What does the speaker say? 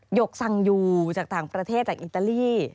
หยกสังยูจากธังประเทศจากอิตาลี